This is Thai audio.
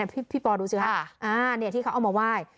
พี่ปอดูสิคะที่เขาเอามาไหว้